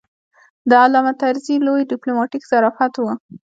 د علامه طرزي لوی ډیپلوماتیک ظرافت و.